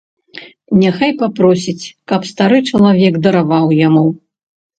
Няхай папросіць, каб стары чалавек дараваў яму.